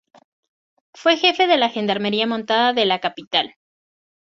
Fue jefe de la Gendarmería Montada de la capital.